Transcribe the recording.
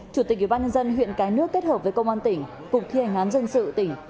chủ tịch ubnd huyện cái nước kết hợp với công an tỉnh cục thi hành án dân sự tỉnh